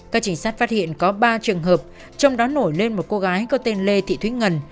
các trình sát phát hiện có ba trường hợp trong đó nổi lên một cô gái có tên lê thị thúy ngân